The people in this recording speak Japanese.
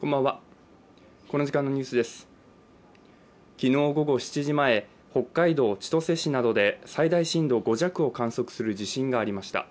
昨日午後７時前、北海道千歳市などで最大震度５弱を観測する地震がありました。